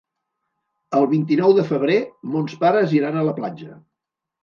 El vint-i-nou de febrer mons pares iran a la platja.